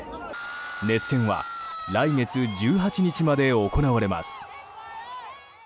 熱戦は来月１８日まで行われます。